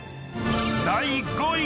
［第５位］